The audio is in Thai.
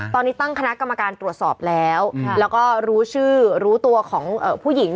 ตอนนี้ตั้งคณะกรรมการตรวจสอบแล้วแล้วก็รู้ชื่อรู้ตัวของผู้หญิง